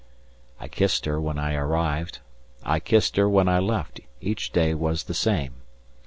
I kissed her when I arrived, I kissed her when I left, each day was the same.